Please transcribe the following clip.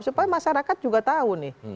supaya masyarakat juga tahu nih